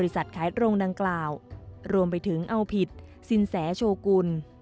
ขายตรงดังกล่าวรวมไปถึงเอาผิดสินแสโชกุล